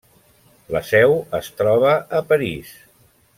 La seu es troba a París.